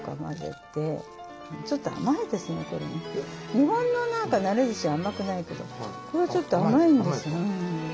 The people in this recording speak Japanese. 日本のなれずし甘くないけどこれはちょっと甘いんです。